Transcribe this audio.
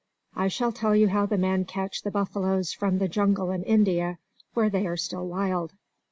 I shall tell you how the men catch the buffaloes from the jungle in India, where they are still wild.